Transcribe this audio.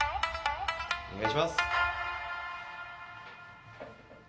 お願いします。